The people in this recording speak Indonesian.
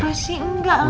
aku sih enggak lah